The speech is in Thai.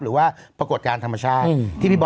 หรือว่าปรกตกษ์การธรรมชาติ